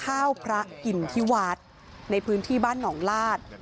ข้าวพระกินที่วัดในพื้นที่บ้านหนองลาด